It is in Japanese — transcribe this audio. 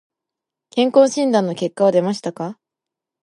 健康診断の結果は出ましたか。